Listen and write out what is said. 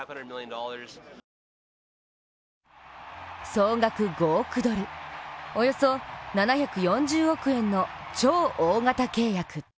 総額５億ドル、およそ７４０億円の超大型契約。